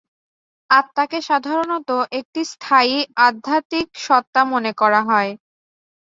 আত্মাকে সাধারণত একটি স্থায়ী আধ্যাত্মিক সত্তা মনে করা হয়।